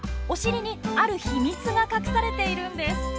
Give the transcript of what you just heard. おしりにある秘密が隠されているんです。